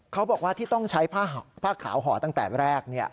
เขาบอกว่าที่ต้องใช้ผ้าขาวห่อตั้งแต่แรก